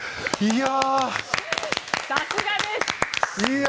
さすがです！